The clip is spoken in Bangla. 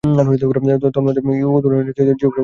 তন্মধ্যে, উদ্বোধনী ইনিংসে জিওফ্রে বয়কটের উইকেট ছিল।